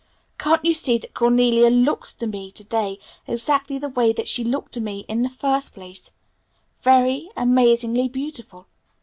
Can't you see that Cornelia looks to me to day exactly the way that she looked to me in the first place; very, amazingly, beautiful.